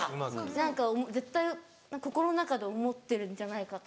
何か絶対心の中で思ってるんじゃないかとか。